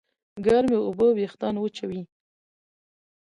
ګرمې اوبه وېښتيان وچوي.